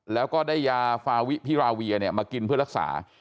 แล้วก็ได้ยาฟาวิพิราเวียมากินเพื่อรักษา